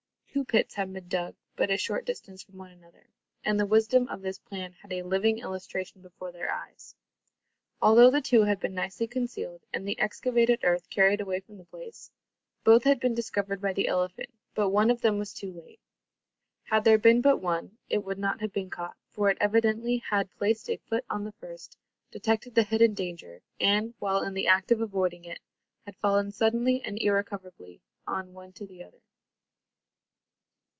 Two pits had been dug but a short distance from one another; and the wisdom of this plan had a living illustration before their eyes. Although the two had been nicely concealed, and the excavated earth carried away from the place, both had been discovered by the elephant, but one of them too late. Had there been but one, it would not have been caught, for it evidently had placed a foot on the first, detected the hidden danger, and, while in the act of avoiding it, had fallen suddenly and irrecoverably on to the other.